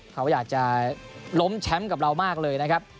เขาอยากจะล้มแชมป์กับเรามากเลยนะครับ